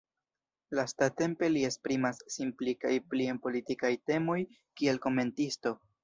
Lastatempe li esprimas sin pli kaj pli en politikaj temoj kiel komentisto.